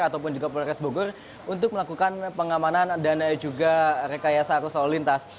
ataupun juga polres bogor untuk melakukan pengamanan dan juga rekayasa arus lalu lintas